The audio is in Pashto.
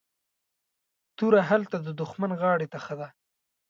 توره هلته ددښمن غاړي ته ښه ده